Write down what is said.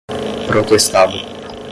protestado